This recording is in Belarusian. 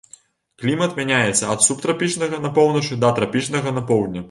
Клімат мяняецца ад субтрапічнага на поўначы да трапічнага на поўдні.